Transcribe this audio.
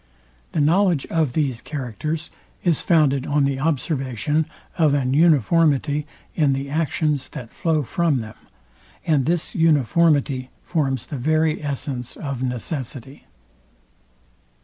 The knowledge of these characters is founded on the observation of an uniformity in the actions, that flow from them; and this uniformity forms the very essence of necessity.